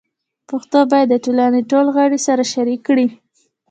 پښتو باید د ټولنې ټول غړي سره شریک کړي.